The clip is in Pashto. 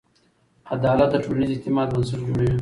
عدالت د ټولنیز اعتماد بنسټ جوړوي.